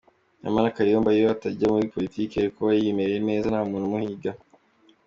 Nyamara Kayumba iyo atajya muli politike, yari kuba yimereye neza, nta muntu umuhiga.